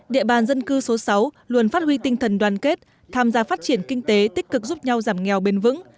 địa bàn dân cư số sáu luôn phát huy tinh thần đoàn kết tham gia phát triển kinh tế tích cực giúp nhau giảm nghèo bền vững